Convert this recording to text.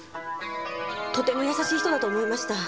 とても優しい人だと思いました。